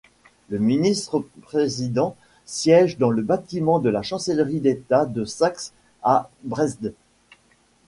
Le ministre-président siège dans le bâtiment de la Chancellerie d’État de Saxe à Dresde.